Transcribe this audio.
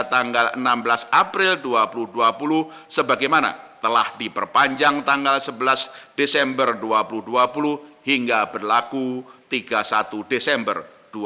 tanggal enam belas april dua ribu dua puluh sebagaimana telah diperpanjang tanggal sebelas desember dua ribu dua puluh hingga berlaku tiga puluh satu desember dua ribu dua puluh